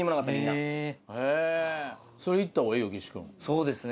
そうですね